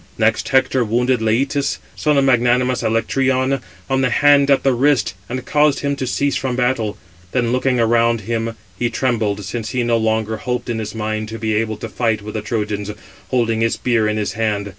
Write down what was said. Next Hector wounded Leïtus, son of magnanimous Alectryon, on the hand at the wrist, and caused him to cease from battle. Then looking around him, he trembled, since he no longer hoped in his mind [to be able] to fight with the Trojans, holding his spear in his hand.